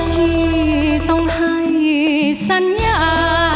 ไม่ต้องให้สัญญา